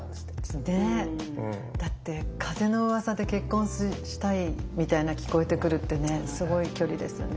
だって風のうわさで結婚したいみたいな聞こえてくるってすごい距離ですよね。